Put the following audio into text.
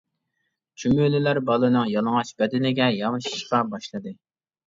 چۈمۈلىلەر بالىنىڭ يالىڭاچ بەدىنىگە يامىشىشقا باشلىدى.